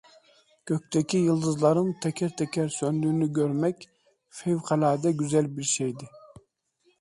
Gökteki yıldızların teker teker söndüğünü görmek fevkalade güzel bir şeydi.